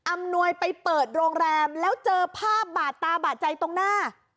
อำนวยไปเปิดโรงแรมแล้วเจอภาพบาดตาบาดใจตรงหน้า